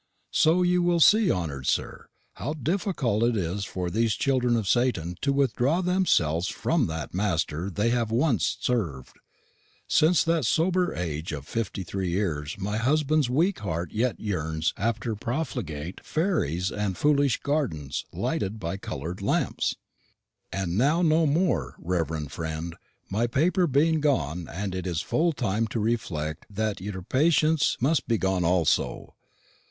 So you will see, honour'd sir, how difficult it is for these children of Satan to withdraw themselves from that master they have once served; since at the sober age of fifty three yeares my husband's weak heart yet yearns after profligate faires and foolish gardens lighted by color'd lampes. "And now no more, reverend friend, my paper being gone and it being full time to reflect that y'r patience must be gone also.